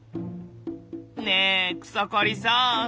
ねえ草刈さん